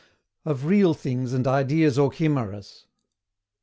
OF REAL THINGS AND IDEAS OR CHIMERAS.